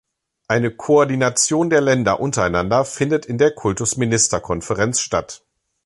Eine Koordination der Länder untereinander findet in der Kultusministerkonferenz statt.